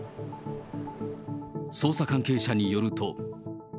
捜査関係者によると。